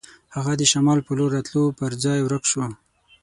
هغه د شمال په لور راتلو پر ځای ورک شو.